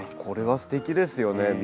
これはすてきですよね。